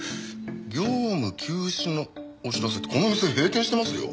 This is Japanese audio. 「業務休止のお知らせ」ってこの店閉店してますよ。